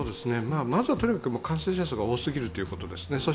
まずとにかくは感染者数が多過ぎるということですね。